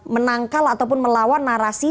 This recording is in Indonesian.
menangkal ataupun melawan narasi